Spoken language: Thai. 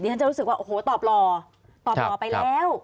ฉันจะรู้สึกว่าโอ้โหตอบหล่อตอบหล่อไปแล้ว